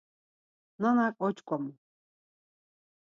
Nanak oşǩomu.